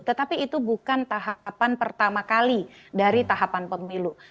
tetapi itu bukan tahapan pertama kali dari tahapan pemilu